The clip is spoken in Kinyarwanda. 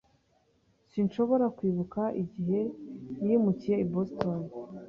Sinshobora kwibuka igihe yimukiye i Boston.